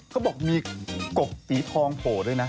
เขาบอกมีกบสีทองโผล่ด้วยนะ